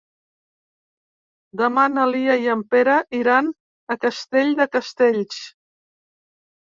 Demà na Lia i en Pere iran a Castell de Castells.